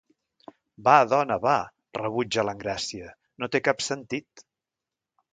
Va, dona, va –rebutja l'Engràcia–, no té cap sentit.